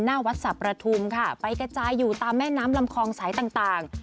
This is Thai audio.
หน้าวัดสับประทุมค่ะไปกระจายอยู่ตามแม่น้ำลำคองสายต่าง